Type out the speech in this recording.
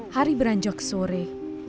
hari beranjak sore